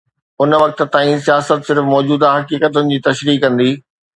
ان وقت تائين سياست صرف موجوده حقيقتن جي تشريح ڪندي.